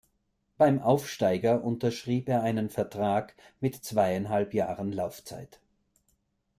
Beim Aufsteiger unterschrieb er einen Vertrag mit zweieinhalb Jahren Laufzeit.